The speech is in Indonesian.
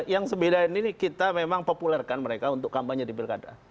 yang sembilan ini kita memang populerkan mereka untuk kampanye di pilkada